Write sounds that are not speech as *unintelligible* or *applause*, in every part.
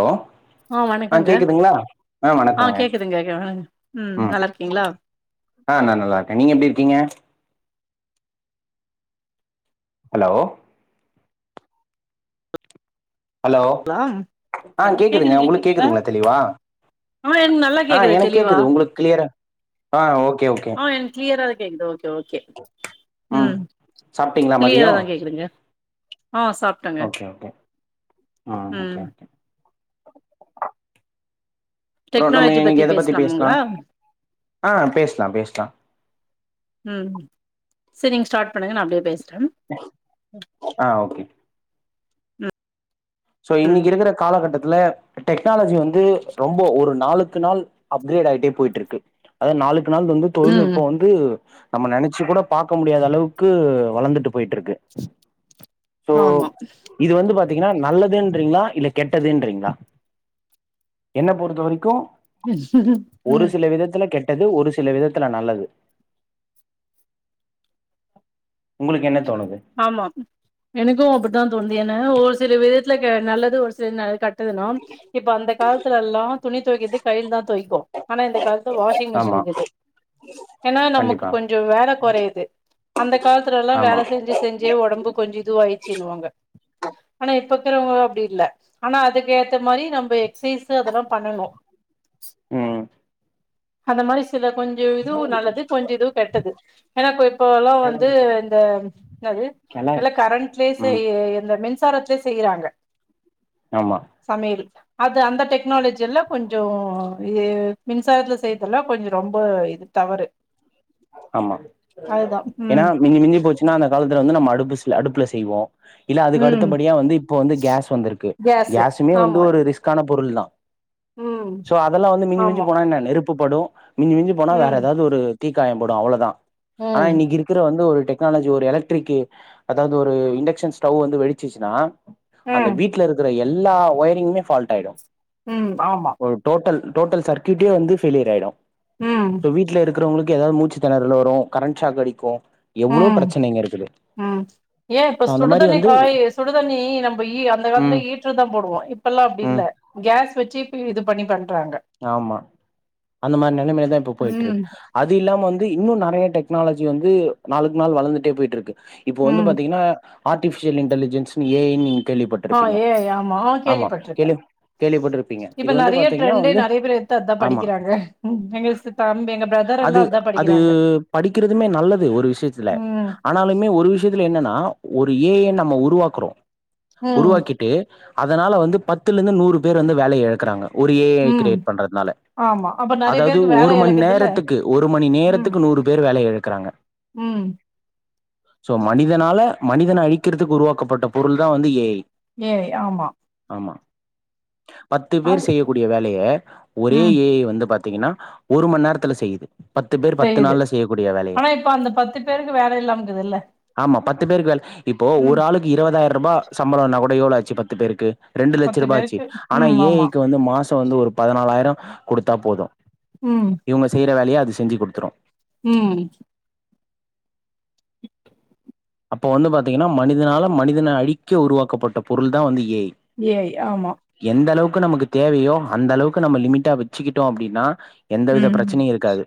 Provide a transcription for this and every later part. Hello ஆ ஆஹ் வணக்கங்க கேக்குதுங்களா ஆஹ் ஆ வணக்கம் வணக்கம் கேக்குதுங்க கே வணங்க ம் நல்லா இருக்கீங்களா ஆஹ் நான நல்லா இருக்கேன் நீங்க எப்டி இருக்கீங்க ஹலோ ஹலோ ஆ ஹலோ கேக்குதுங்களா கேக்குதுங்க உங்களுக்கு எனக்கு நல்லா கேக்குதுங்களா தெளிவா ஆ எனக்கு நல்லா ஆ கேக்குது எனக்கு தெளிவா கேட்கது உங்களுக்கு கிளியரா ஆ ஓகே ஓகே கேக்குதோ செரி ஓகே ம் சாப்ட்டீங்களா மதியோ ஃப்ரீயதா கேக்குதுங்க ஆஹ் சாப்டங்க ஆஹ ஓகே ஓகே அப்பறம் நம்ம டெக்னாலஜி இன்னைக்கி எத பத்தி பேசலாம் பேசலாமுங்களா ஆஹ் பேசலாம் பேசலாம் செரி நீங்க ஸ்டார்ட் பண்ணுங்க நான அப்டியே பேசுரன் ஆஹ் ஓகே சோ ம் ம் இன்னைக்கு இருக்கிற காலகட்டத் டெக்னாலஜி வந்து ரொம்ப ஒரு நாளுக்கு நாள் அப்கிரேட் ஆகிட்டே போயிட்டு இருக்கு அதாவ நாளுக்கு நாள் வந்து ம் தொழில்நுட்பம் வந்து நம்ம நினைச்சு கூட பார்க்க முடியாத அளவுக்கு வளர்ந்துட்டு போயிட்டு இருக்கு ஆமா பாத்திங்கனா நல்லதுன்றீங்களா இல்ல கெட்டதுன்றீங்களா என்ன பொறுத்த வரைக்கும் உம் டது அது ஒரு சில விதத்துல நல்லது உங்களுக்கு என்ன தோணுது ஆமா எனக்கும் அப்படித்தான் தோனுது என்ன சில விதத்துல நல்லது ஒரு சில கெ இப்ப அந்த காலத்துல எல்லாம் துணி தொய்க்கிறது தான் கைல தான் தொய்ப்போம் ஆனா இந்த காலத்து வாஷிங் ஆமா மிஷின் கிய்து ஏன்னா நமக்கு கண்டிப்பா கொஞ்சம் வேலை குறையது அந்த காலத்து அந்த காலத்துல ஆமா வேலை செஞ்சு செஞ்சே உடம்பு கொஞ்ச இது ஆயிச்சுனுவாங்க ஆனா இப் இப்பகிரவங்க அப்டி இல்ல ஆனா அதுக்கு ஏத்த மாரி நம்ப எக்சைஸ் அதெல்லாம் பண்ணணும் உம் அந்த மாரி சில கொஞ்ச இதுவும் நல்லது கொஞ்ச இதுவும் கெட்டது ஏன்னா இப்பல்லாம் வந்து *unintelligible* நல்லா இருக்கு இப்ப ம் மின்சாரத்திலே செய்யறாங்க ஆமா சமையல் அது அந்த டெக்னாலஜி எல்லாம் கொஞ்சம் இது மின் விவசாயத்துல செய்தெல்லாம் கொஞ்சம் ரொம்ப இது தவறு ஆமா அதுதா ஏன்னா ம் மிஞ்சி மிஞ்சி போச்சுன அந்த காலத்தில வந்து நம்ப அடுப்பு அடுப்பில செய்வோம் இல்ல அதுக்கு ம் அடுத்தபடியா வந்து இப்ப வந்து கேஸ் வந்திருக்கு கேஸு கேஸ்சுமே வந்து ஆமா ஒரு ரிஸ்கான பொருள் தான் ம் சோ அதெல்லாம் வந்து மிஞ்சு மஞ்சு ஆமா போனான இன்ன நெருப் *unintelligible* மிஞ்சி மிஞ்சி போனா வேற ம் ஏதாவது ஒரு தீ காயம் படும் அவ்ளதான் ஆனா ம் இன்னைக்கு இருக்குற வந்து ஒரு டெக்னாலஜி ஒரு எலக்ட்ரிக் அதாவது ஒரு இண்டக்ஷன் ஸ்டவ் வந்து வெடிச்சுச்சுன்னா அந்த ம் வீட்ல இருக்கிற எல் எல்லா ஒயரிங்குமே ஃபால்ட் ஆயிடும் உம் ஆமா டோடல் சர்க்ய்ஃட்டே வந்து ஃபெலியர் ஆயிடும் உம் இருக்கிறவங்களுக் ஏதாவது மூச்சு திணறல்வரும் கரண்ட் ஷாக் அடிக்கும் எவ்ளோ உம் பிரச்சனைங்க இருக்குது உம் ஏன் இப்ப ஸோ அந்த மாரி சுடுதண்ணி வந்து காய் சுடுதண்ணி நம்ப அந்த காலத்து ம் ஹீட்ரு தான் போடுவோம் இப்ப எல்லாம் அப்டி ம் இல்ல கேஸ் வச்சு இது பண்ணி பண் ஆமா அந்த மாரி நிலமிலைதான் இப்ப போயிட்டு இருக்கு ம் அது இல்லாம வந்து இன்னும் நிறைய டெக்னாலஜி வந்து நாளுக்கு நாள் வளந்துட்டே போயிட்டு இருக்கு இப்போ வந்து ம் பாத்தீங்கன்னா ஆர்டிஃபிஷியல் இன்டலிஜென்ஸ் ஏ ஐ ஆ கேள்விப்பட்டிருப்பீங்க ஏ ஆமா ஆமா கேள்விப்பட்ருக்க கேள்வி கேள்விப்பட்டிருப்பீங்க இப்ப இது வந்து நெறைய பாத்தீங்கன்னா ட்ரெண்டே வந்து நெறைய பேர் எடுத்து அதா ஆமா படிக்கிறாங்க எங்க சி தம்பி எங்க பிரதர் எல்லா அது அதா அது படிக்கிறாங்க படிக்கிறதுமே நல்லது ஒரு விஷயத்துல ம் ஆனாலுமே ஒரு விஷயத்துல என்னன்னா ஒரு ஏ ஐ நம்ம உருவாக்குறோம் ம் உருவாக்கிட்டு அதனால வந்து பத்துலேருந்து நூறு பேர் வந்து வேலைய இழக்கிறாங்க ஓரு ஏ ஐ ம் கிரேட் பண்றதுனால ஆமா அப்ப நெறைய அதாவது பேருக்கு வேல ஒரு மணி இழக்குதுல்ல நேரத்துக்கு ஒரு மணி ம் நேரத்துக்கு நூறு பேர் வேலைய இழக்குறாங்க ம் சோ மனிதனால மனிதன் அழிக்கிறதுக்கு உருவாக்கப்பட்ட பொருள் தான் வந்து ஏ ஐ ஏ ஐ ஆமா ஆமா பத்து பேர் அது செய்யக்கூடிய வேலைய ஒரே ம் ஏ ஐ வந்த பாத்தீங்கன்னா ஒரு மணி நேரத்துல செய்யுது பத்து பேர் பத்து செய்யுது நாள்ல செய்யக்கூடிய வேலைய ஆனா இப்ப அந்த பத்து பேருக்கு வேல இல்லாமக்குதுல்ல ஆமா பத்து பேருக்கு வேல இப்போ ம் ஒரு ஆளுக்கு இருபதாயிரம் ரூபா சம்பளம்னா கூட எவ்வுளோ ஆச் பத்து பேருக்கு ரெண்டு லட்சம் பத்து ரூபா அச்சு பேருக்கு ஆனா ம் ஏ ஆமா ஐக்கு வந்து மாசம் வந்து ஒரு நாலயிரம் குடுத்தா போதும் இவங்க செய்ற வேலைய செஞ்சு குடுத்துரும் உம் அப்ப வந்து பாத்தீங்கன்னா மனிதனால மனிதன அழிக்க உருவாக்கப்பட்ட பொருள் தான் வந்து ஏ ஐ ஏ ஐ ஆமா நமக்கு தேவையோ அந்த அளவுக்கு நம்ம லிமிட்டா வச்சுக்கிட்டோம் அப்படின்னா எந்தவித ம் பிரச்சனையும் இருக்காது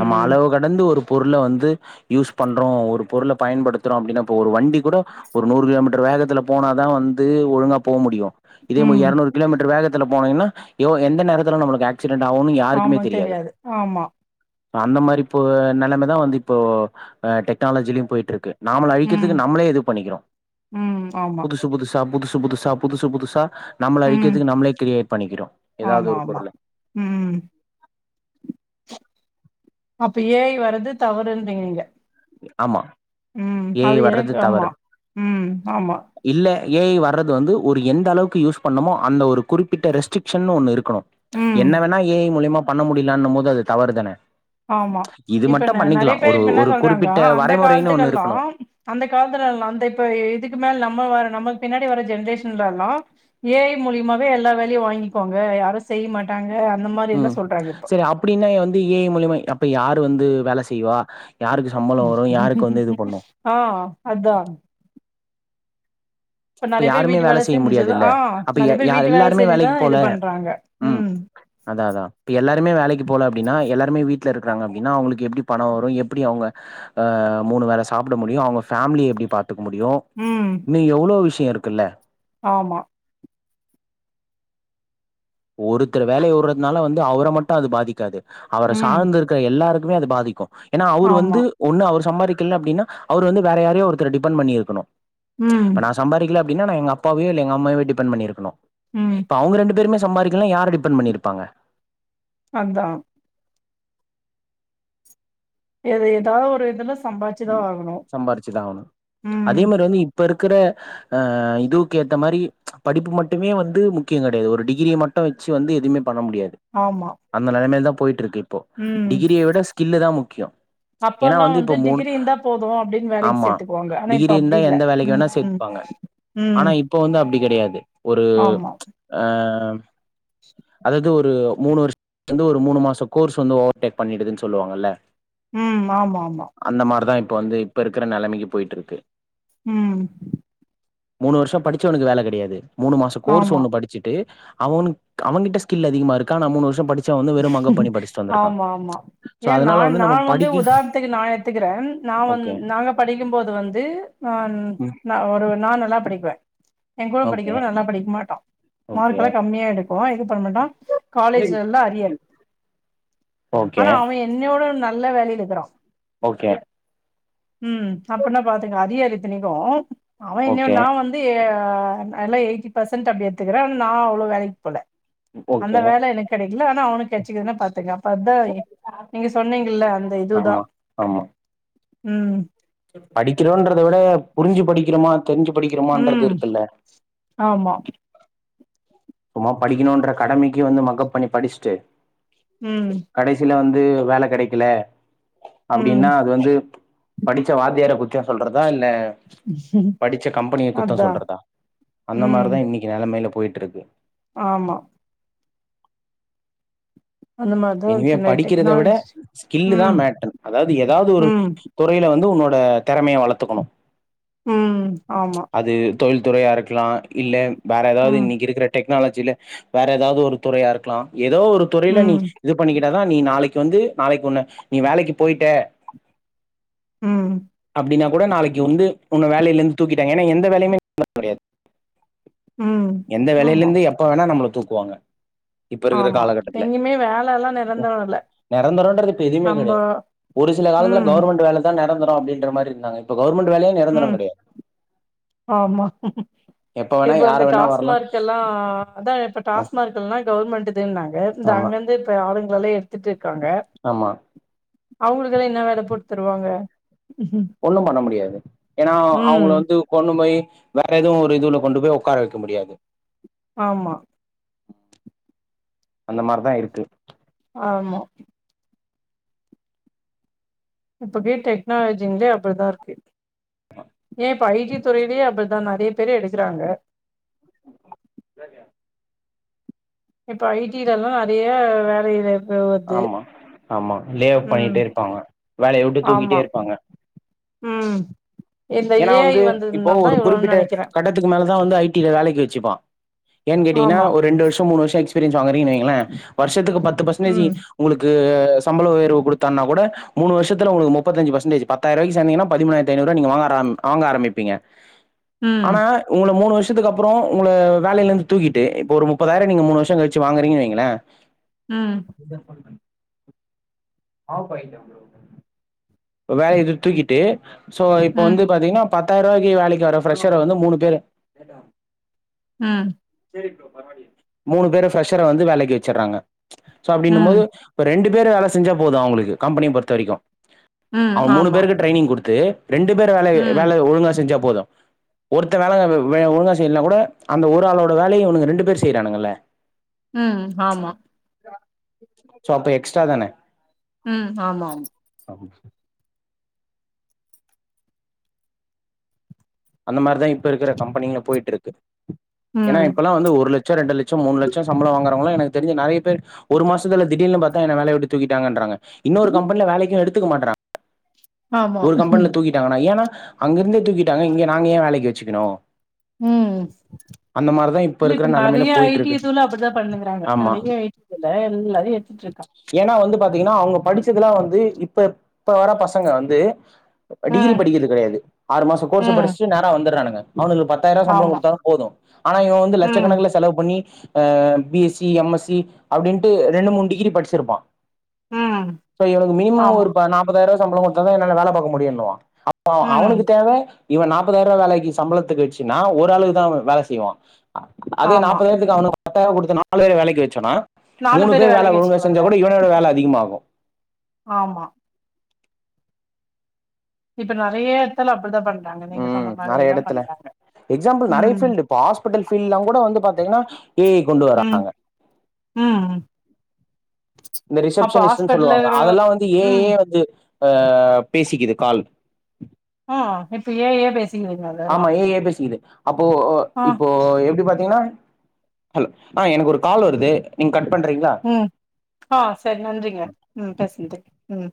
நம்ம அளவு கடந்து ஒரு பொருள வந்து யூஸ் பண்றோம் ஒரு பொருள பயன்படுத் துறோம் அப்படின்னா இப்ப ஒரு வண்டி கூட ஒரு நூறு கிலோமீட்டர் வேகத்துல போனாதான் வந்து ஒழுங்கா போ முடியும் இதே ம் எரநூறு கிலோமீட்டர் வேகத்த போனீங்கன்னா எந்த நேரத்தில் நம்மளுக்கு ஆக்சி ரெண்ட் ஆகும் யாருக்குமே ஆமா தெரியாது ஆமா அந்த மாரி இப்போ நிலமைதான் வந்து இப்போ டெக்னாலஜிலயும் போயிட்டு இருக்கு நாமல ம் அழிக்கிறதுக்கு நம்மளே இது பண்ணிக்கிறோம் ம் ஆமா புதுசு புதுசு புதுசு புதுசா புதுசு புதுசா நம்மள ம் அழக்கிறதுக்கு நம்மளே கிரியேட் பண்ணிக்கிறோம் ஏதாவது ஆமா ஒரு ஆமா பொருள ம் அப்ப ஏ ஐ வர்றது தவறுன்றீங்க நீங்க ஆமா உம் ஏ அது ஐ வர்றது எனக்கு தவறு ஆமா உம் ஆமா இல்ல ஏ ஐ வர்றது வந்து ஒரு எந்த அளவுக்கு யூஸ் பண்ணமோ அந்த ஒரு குறிப்பிட்ட ரெஸ்ட்ரிக்ஷன் ஒன்னு இருக்கணும் ம். என்ன வேணா ஏ ஐ மூலியமா பண்ண முடியலான்னும் போது அது தவறு தானே ஆமா இது இப்ப மட்டு நெ பண்ணிக்கலா நறைய பேர் ஒரு இப்ப என்ன ஒரு சொல் ரகனா குறிப்பிட்ட அந்த வரைமுறைன்னு ஒண்ணு இருக்கணு காலத்துக்கெல்லாம் அந்த காலத்துல்லாம் அந்த இப்ப இதுக்கு மேல நம்ம வற நம்ம நமக்கு பின்னாடி வர ஜெனரேஷன்ல எல்லாம் ஏ ஐ மூலியமாவே எல்லா வேலையும் வாங்கிக்குவாங்க யாரும் செய்ய மாட்டாங்க அந்த மாரி உம் எல்லாம் சொல்றாங்க இப்ப. சரி அப்படின்னா வந்து ஏ ஐ மூலியமா இப்ப யாரு வந்து வேல செய்வா யாருக்கு சம்பளோ வரு யாருக்கு வந்து இது பண்ணு ஆஹ் அதான் இப்ப நெறைய பேர் யாருமே வீட்டு வேல செய்ய முடியாது செஞ்சுதா இல்ல ஆ அப்ப நெறைய பேர் வீட்டு வேல எல்லாருமே வேலைக்கு செஞ்சுதான் போல இது பண்றாங்க. உம் ம். அத அத எல்லாருமே வேலைக்கு போல அப்படின்னா எல்ல வீட்ல இருக்காங்க அப்படின்னா அவளுக்கு எப்படி பணம் வரும் எப்படி அவுங்க மூணு வேல சாப்பிட முடியும் அவுங்க பேமிலி எப்படி பாத் துக்க முடியும் ம். இனு எவ் ளோ விஷயம் இருக்குல்ல ஆமா ஒருத்தர் வேலைய விறதுனால வந்து அவர மட்டும் அது பாதிக்காது அவர ம். சாந்து இருக்கிற எல்லாருக் கும் அது பாதிக்கும் ஏன்னா அவுர் ஆமா. வந்து ஒன்னு அவுர் சம்பாரிக்கல அப்படின்னா அவர் வந்து வேற யாரையோ ஒருத்தர டிபெண்ட் பண்ணியிருக்கணு ம். இப்ப நா சம்பாரிக்கல அ ப்டினா நா எங்கப்பாவயோ எங்கம்மாவயோ டிப்பெண்ட் பண்ணியிருக்கணு ம். இப்ப அவுங்க ரெண்டு பேருமே சம்பாரிக்கலனா யார டிபென்ட் பண்ணியிருப்பாங்க அதுதா எது ஏதா ஒரு இதுல சம்பாதிச்சுதான் ஆகணு சம்பாரிச்சுதா ஆவுனு ம் அதே மாரி வந்து இப் ப்பருக்கர ஆ இதுவுக்கு ஏத்த மாரி படிப்பு மட்டுமே வந்து முக்கியொ கெடையாது ஒரு டிகிரிய மட்டு வச்சு வந்து எதுமே பண்ண முடியாது ஆமா அந்த நெலமைல தா போயிட்டுருக்கு போ ம் டிகிரிய விட ஸ்கில்லு தா மு கியொ ஏனா வந்து இப்ப மூணு இந்தா போது அப்டின் வேலைக்கு ஆமா சேத்துக்குவாங்க ஆன டிகிரி இப்ப இருந்தா அப்டியில்ல எந்த வேலைக்கு ம் வேணா ம் சேத்துப்பாங்க ம் து ஒரு ஆமா ஆ அதது ஒ ரு மூணு வருஷத்துலருந்துஒரு மூணு மாச கோர்ஸ் வந்து ஓவர் டேக் பண்ணிடுதுன் சொல்லுவாங்கல்ல ம் ஆமாமா அந்த மார்தா இப்ப வந்து இப்பஇருக்கிற நெலைமைக்கு போயிட்ருக்கு ம் மூணு வருஷ படிச்சவனுக்கு வேல கெடையாது மூணு மாச கோர்ஸ் ஆமா ஒண்ணு படுச்சுட்டு அவனுக் அவங்கிட்ட ஸ்கில் அதிகமா இருக்கா நா மூணு வருஷ படுச் ஆமாமா சோ ஏன் அதனால நான் நா நம்ம வந்து படிக்க உதாரணதுக்கு நா எ த்துகிறேன் நா வந் ஓகே நாங்க படிக்கும்போது வந்து ம் நா ஒரு நானு ல்லா படிப்பே எ கூட ஓகே படிக்கிறவ நல்ல படிக்க மாட்டா ஓகே மார்க்கலா கம்மியா எடுக்குவா எதும் பண்ண மாட்டா காலேஜ்லலா அரியர் ஓகே ஆனா அவெ என்னயோட ந ல்ல வேலைலக்கிறா ஓகே ம் அப்பனா பாத்துங்க அரியர் இத்திணிகும் அவெ என்ய ஓகே நா வந்து ஆ நால்ல எயிட்டி பர்சன்ட் அப்டி எத்துகிறே ஆ நா அவ்வளோ வேலைக்கு போல அந்த ஓகே வேல எனக் கெடைக்கல ஆனா அவனுக் கெச்சக்குதுனா பாத்துக அப்ப அதா நீங்க சொன்னிங்கல்ல அந்த இதுதா ஆமா ம் படிக்கிறோன்றதவிட புருஞ்சு படிக்கிறமா தெரிஞ்சி படிக்கிறமான்றது ம். இருக்குல்ல ஆமா சும்மா படிக்கணுன்ற கடமைக்கு வந்து மக்கப் பண்ணி படிச்சுட்டு ம். கடைசில வந் து வேல கெடைக்கல அப்டின்னா ம். அது வந்து படிச்ச வாத்தியார குத்தொ சொல்றதா இல்ல படிச்ச கம்பெனிய குத்தொ அதான். சொல்றதா அந்த ம். மாரி தா இன்னைக்கு நெலமையில போய்ட்ருக்கு ஆமா அந்த மாரிதான் இனிவே இருக்கு நெறைய படிக்கிறத விட டெக்னாலஜி. ஸ்கில்லு தா ம். மேட்டர் அதாவ்து எதாவ்து ஒரு ம். துறையில வந்து உன்னோ ட தெறமைய வளத்துக்கணு உம் ஆமா தொழில்துறையா இருக்கலா இல்ல வேற எதாவ்து ம். இன்னிக்கு இருக்குற டெக் டனாலஜில வேற எதாவ்து ஒரு துறையா இருக்கலா எதோ ஒரு துறைல நீ ம். இது பண்ணிக்கிட்டாதா நீ நாளைக்கு வந்து நாளைக்கு உன்ன நீ வேலைக்கு போயிட்ட உம் அப்டினா கூட நாளைக்கு வந்து உன்ன வேலைல இந்து தூக்கிட்டாங்க ஏனா எந்த வேலையுமே *unintelligible* ம். எந்த ஆமா, வேலைலெந்து எப்ப வேணா நம்மளுக் தூக்குவாங்க இப்ப இருக்குற ஆமா. காலகட்டத்துல எங்கயுமே வேலல்லாம் நிரந்தரம் இல்ல. நெரந்தரொன்றது இப்ப எதுவ்மே நம்ப கெடையாது ஒரு சில காலத்துல ம், கவர்மெண்ட் வேல தா நெரந்த ரொ அப்டின்ற மாரி இருந்தாங்க இப்பொ உம் ஆமா எப்ப வேணா இப்ப யார இந்த வேணா வரலா டாஸ்மார்க் எல்லா அதா இப்ப டாஸ்மார்க் எல்லா கவர்மெண்ட்டு துன்னாங்க இந்த ஆமா அங்கிருந்து இப்ப ஆளுங் கல்லா எடுத்துட்டு இருக்காங்க. ஆமா அவங்களுக்கெல்லா என்ன வேல போட்தருவாங்க. ஒண்ணும் பண்ண முடியாது. ஏன்னா அவங்கள ம். வந்து கொண்ணு போய். வேற எதுவும் ஒரு இதுல கொண்டு போய் உட்கார வைக்க முடியாது. ஆமா. அந்த மாரிதா இருக்கு. ஆமா. இப்பகே டெக்னாலஜிங்லே அப்டிதா இருக்கு. ஏ பைஜி தொறயிலே அப்டிதா நறய பேரு எடு. க்கராங்க. *unintelligible* இப்ப ஐடில எல்லா அதே வேலயில. ஆமா ஆமா ம். லேப்பாய்ண்டே இருப்பாங்க வேலய வுட்டு தூக்கிட்டே இருப்பாங்க. உம். ஏனா வந்து இப்போ ஒரு குறுப்பிட்ட நெனைக்கிறேன். கட்டத்துக்கு மேலதா வந்து ஐடி வேலக்கி வச்சுப்பா. ஏன் கேட்டீங்னா ஆமா. ஒரு ரெண்டு வருஷோ மூணு வருஷோ எக்ஸ். ஃப்ரீன்ஸ் வாங்றீங்கனு வைங்களே வர்ஷத்துக்கு. பத்து பர்சன்டேஜ் ம். ஒங்ளுக்கு. சம்பள ஒயர்வு கொடுத்தானகூட மூணு வர்ஷத்ல ஒங்களுக்கு முப்பத்தஞ்சு பர்சன்டேஜ் பத்தாயிரவாய்கு சேந்திங்கனா பதிமூனாய்ரத்தி ஐநூறுவா நீங்க வாங்க. ஆம் ஆங்க ஆரமிப்பீங்க. ம். ஆனா உங்கள மூணு வர்ஸ். த்துக்கு அப்பறோ உங்கள வேலயிலிருந்து தூக்கிட்டு இப்ப ஒரு முப்பதாயிர நீங்க மூணு வர்ஷோ கழுச்சு வாங்குரீங்கன்னு வைங்களே. ம். *unintelligible* மாவு பாக்கெட். *unintelligible* ஒரு வேல இது தூக்கிட்டு. சோ இப்ப ம். வந்து பாத்தீங்கனா. பத்தாய்ரூவாய்க்கு வேலக்கி வர ஃப்ரெஷ்சர வந்து மூணு பேரு. உஹம். சேரி ப்ரோ *unintelligible* மூணு பேரு ஃப்ரெஷ்சர வந்து வேலக்கி வச்றாங்க. ம்ச் சோ அப்டின்னும் ம். போது ரெண்டு. வேற வேல செஞ்சா போது அவுங்ளுக்கு கம்பினி பொறுத்தவரிக்கு. ம் அவ மூணு ஆமா. பேருக்கு ட்ரைனிங் குடு. து. ரெண்டு பேர வேலை ம், வேல ஒழுங்கா செஞ்சாப். போது ஒருத்த வேல வ்வ ஒழுங்கா செய்லனா கூட அந்த ஒரு ஆளோட. வேலய இவன்னுங்க ரெண்டு பேரு செய்றானுங்கல. உம் ஆமா. சொ ப்பே எக்ஸ்டா தானே உம் ஆமா ஆம் அந்த மாரிதா இப்ப இருக்கற கம்பெனிங்ல போய்ட்டுருக்கு ஏனா ம் இப்பலா வந்து ஒரு லட்ச ரெண்டு லட்ச மூணு லட்ச சம்பள வாங்கறவங்ளா எனக் தெரிஞ் நறய பேர் ஒரு மாசத்துல திடீர்னு பாத்தா என்ன வேலயவுட்டு தூக்கிட்டாங்கடராங்க இன்னொரு கம்பெனில வேலக்கு எடுத்துக்க மாட்ராங்க ஆமா. ஒரு கம்பல்ல தூக்கிட்டாங்கனா ஏனா அங்கருந்தே தூக்கிட்டாங்க இங்க நாங்க ஏன் வேலைக்கு வச்சுக்கணோம் உம் இல்ல இருக்கிற இப்ப நெலமையில நிறைய போயிட்டு ஐடி இருக்கு இதுல அப்படிதான் பண்ணுங்கிறாங்க ஆமா நிறைய ஐடி இதுல எல்லாரையும் எடுத்துட்டு இருக்காங்க ஏன்னா வந்து பாத்தீங்கன்னா அவங்க படிச்சதுலாம் வந்து இப்ப இப்ப வர பசங்க வந்து டிகிரி ம், படிக்கிறது கிடையாது ஆறு மாசம் கோர்ஸ்ச ம் படிச் வந்துறானுங்க அவனுங்களுக்கு பத்தாயிரம் சம்பளம் ஆமா. கொடுத்தாலும் போதும் ஆனா இவன் வந்து ம், லட்சக்கணக்கல செலவு பண்ணி அஹ் பிஎஸ்சி எம்எஸ்சி அப்படின்ட்டு ரெண்டு மூணு டிகிரி படிச்சிருப்பான் ம் சோ இவனுக்கு மினிமம் ஆமா. ஒரு பா நாப்பதாயிரம் சம்பளம் கொடுத்தா என்னால வேல பார்க முடியும்ன்னுவான் அப்போ ம் அவனுக்கு தேவ இவன் நா முப்பதாயிர வேலைக்கு சம்பளத்துக்குச்வெச்சனா ஓரளவுதான் வேல செய்வா அதே ஆமா. நாப்பதாயிரத்துக்கு அவனுக்கு பத்தாயிரம் கொடுத்து நாலு பேற வேலைக்கு வச்சோன்னா மூணு பேரு பேர் வேல வேலைக்கு ஒழுங்கு செஞ்சா வச்சுக்கலாம்ல. கூட இவனோட வேல அதிகமாகும் ஆமா. இப்ப நறைய இடத்துல அப்படிதான் பண்றாங்க. நீங்க உம் சொன்ன நிறைய மாரியேதான் இடத்துல பண்றாங்க. எக்ஸாம்பிள் நிறைய ம், பீல்டு இப்ப ஹாஸ்பிட்டல் பீல்ட எலாம் கூட வந்து பாத்தீங்கன்னா ஏஜ கொண்டு ம், வராங்க ம். இந்த அப்ப ரிசப்ஷனிஸ்ட்ஸ் ஹாஸ்பிட்டல்ல சொல்லுவாங்க அதெல்லாம் வந்து ம். ஏஜயே வந்து பேசிக்குது கால் ஆஹ் இப்ப ஏ ஜ ஏ பேசு ஆமா ஏ ஜ ஏ பேசக்குது அப்போ ஆ, இப்போ எப்டி பாத்தீங்கன்னா ஹலோ ஆ எனக்கு ஒரு கால் வருது நீங் உம் ஆஹ் சரி நன்றிங்க உம் பேசுனதுகு உம்